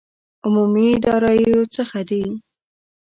عمومي داراییو څخه دي.